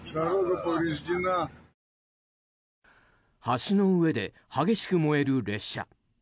橋の上で激しく燃える列車。